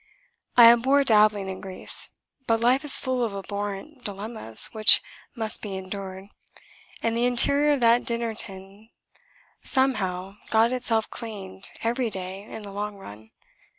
I abhor dabbling in grease; but life is full of abhorrent dilemmas which must be endured; and the interior of that dinner tin somehow got itself cleaned, every day, in the long run.